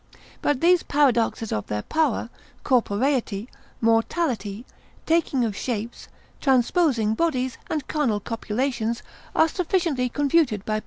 But these paradoxes of their power, corporeity, mortality, taking of shapes, transposing bodies, and carnal copulations, are sufficiently confuted by Zanch.